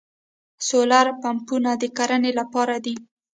سولر پمپونه د کرنې لپاره دي.